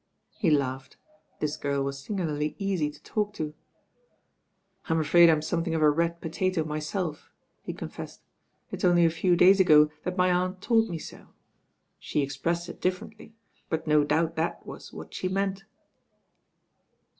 He laughed. This gprl was singularly easy to talk to. "I'm afraid I'm something of a red potato my self," he confessed. "It's only a few days ago that my aunt told me so. She expressed it differently; but no doubt that was what she meant."